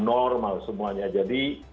normal semuanya jadi